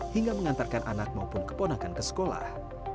hingga mengantarkan anak maupun keponakan ke sekolah